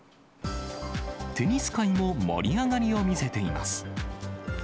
テニス界も盛り上がりを見せています。